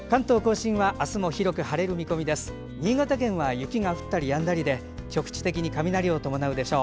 新潟県は雪が降ったりやんだりで局地的に雷を伴うでしょう。